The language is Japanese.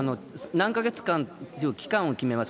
何か月という期間を決めます。